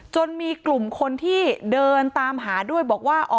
จนมีกลุ่มคนที่เดินตามหาด้วยบอกว่า